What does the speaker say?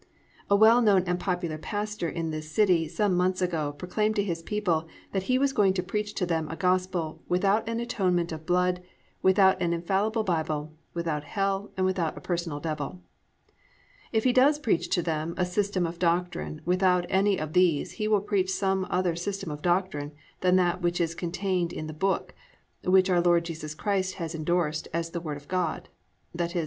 A well known and popular pastor in this city some months ago proclaimed to his people that he was going to preach to them a gospel "without an atonement of blood, without an infallible Bible, without hell, and without a personal Devil." If he does preach to them a system of doctrine without any of these he will preach some other system of doctrine than that which is contained in the book, which our Lord Jesus Christ has endorsed as the Word of God, i.e., the Bible. I.